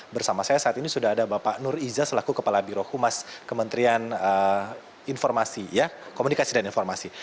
bersama saya saat ini sudah ada bapak nur iza selaku kepala birohumas kementerian informasi komunikasi dan informasi